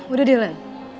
udah deh lan